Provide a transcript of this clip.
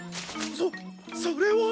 そっそれは！